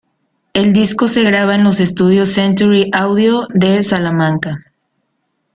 El disco se graba en los Estudios Century Audio de Salamanca.